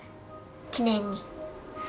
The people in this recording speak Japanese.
記念に。